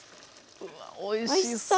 うわおいしそう。